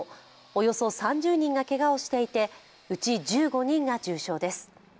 およそ３０人がけがをしていてうち１５人が重傷です。